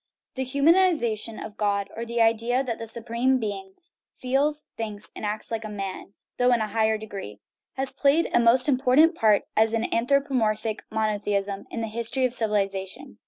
The humanization of God, or the idea that the * Su preme Being " feels, thinks, and acts like man (though in a higher degree), has played a most important part, as anthropomorphic monotheism, in the history of civ ilization.